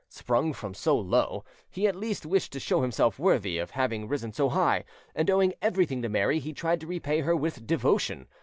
Sprung from so low, he at least wished to show himself worthy, of having risen so high, and owing everything to Mary, he tried to repay her with devotion.